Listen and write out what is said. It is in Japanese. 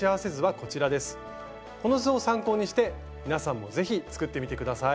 この図を参考にして皆さんも是非作ってみて下さい。